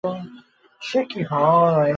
সে কি হয়!